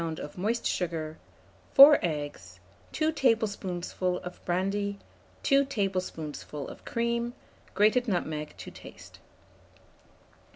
of moist sugar, 4 eggs, 2 tablespoonfuls of brandy, 2 tablespoonfuls of cream, grated nutmeg to taste.